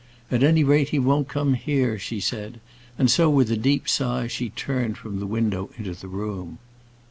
"At any rate, he won't come here," she said: and so, with a deep sigh, she turned from the window into the room.